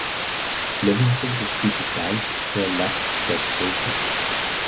Levinson was criticized for a lack of plot focus.